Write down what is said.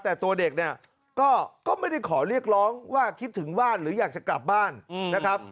แต่ตัวเด็กเนี่ยก็ไม่ได้ขอเรียกร้องว่าคิดถึงบ้านหรืออยากจะกลับบ้านนะครับ